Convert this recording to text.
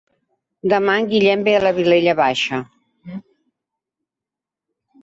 Demà en Guillem va a la Vilella Baixa.